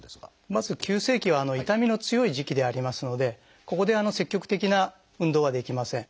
まず急性期は痛みの強い時期でありますのでここで積極的な運動はできません。